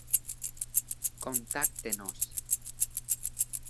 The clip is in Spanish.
Contáctenos